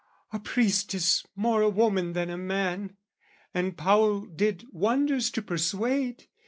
"A priest is more a woman than a man, "And Paul did wonders to persuade.